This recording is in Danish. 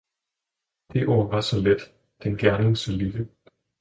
Det ord var så let, den gerning så lille!